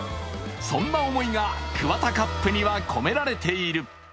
そんな思いがＫＵＷＡＴＡＣＵＰには込められている。